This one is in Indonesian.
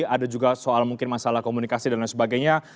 ada juga soal mungkin masalah komunikasi dan lain sebagainya